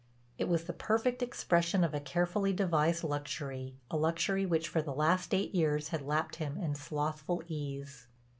It was the perfect expression of a carefully devised luxury, a luxury which for the last eight years had lapped him in slothful ease.